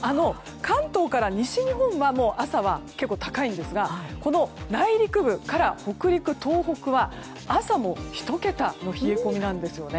関東から西日本はもう朝は結構高いんですが内陸部から北陸、東北は朝も１桁の冷え込みなんですね。